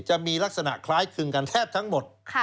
จะมีลักษณะคล้ายคลึงกันแทบทั้งหมด